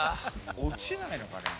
落ちないのかね？